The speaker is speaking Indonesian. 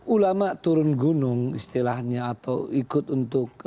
ulama turun gunung istilahnya atau ikut untuk